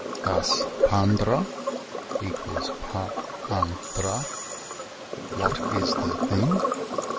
Thus pandra (= pa an dra, "what (is) the thing?"